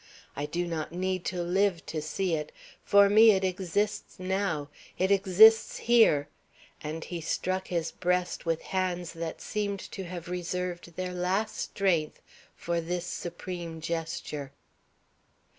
I do not need to live to see it. For me it exists now; it exists here!" And he struck his breast with hands that seemed to have reserved their last strength for this supreme gesture.